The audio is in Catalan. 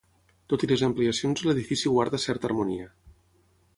Tot i les ampliacions l'edifici guarda certa harmonia.